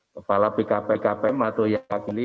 kepala bkp kpm atau yang mewakili